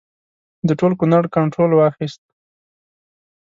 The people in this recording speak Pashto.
د ټول کنړ کنټرول واخیست.